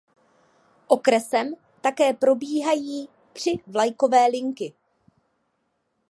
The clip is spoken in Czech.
Okresem také probíhají tři vlakové linky.